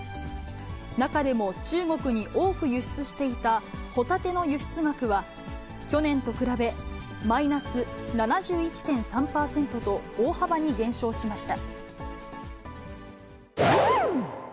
中でも、中国に多く輸出していたホタテの輸出額は、去年と比べマイナス７１．３％と、大幅に減少しました。